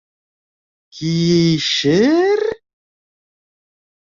— Ки-ише-ер?